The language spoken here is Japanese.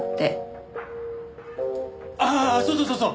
ああそうそうそうそう！